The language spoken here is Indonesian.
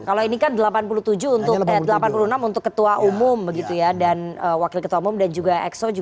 kalau ini kan delapan puluh enam untuk ketua umum dan wakil ketua umum dan juga exo